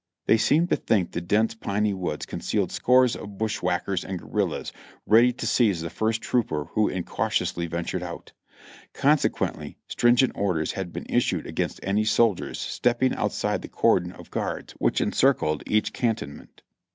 They seemed to think the dense piney woods concealed scores of bushwhackers and guerrillas ready to seize the first trooper who incautiously ventured out; consequently, stringent orders had been issued against any soldiers stepping outside the cordon of guards which encircled each cantonment.